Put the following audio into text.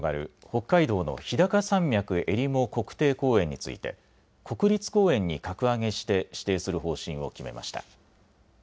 北海道の日高山脈襟裳国定公園について国立公園に格上げして指定する方針を決めました。